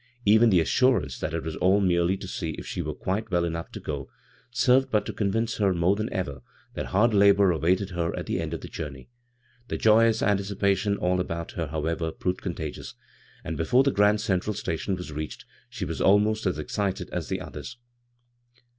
Even the assurance that it was all merely to see if she were quite well enough to go, served but to convince her more than ever that hard labor awaited her at the end of the journey. The joyous anticipation all about her, however, proved contagious, and before the Grand Central Station was reached, she was aimost as excited as the others.